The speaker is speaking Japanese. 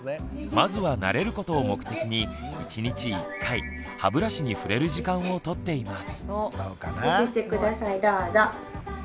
まずは慣れることを目的に１日１回歯ブラシに触れる時間をとっています。